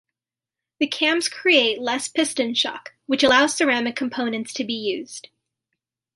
The cams create less piston shock, which allows ceramic components to be used.